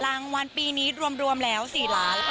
รางวัลปีนี้รวมแล้ว๔ล้านค่ะ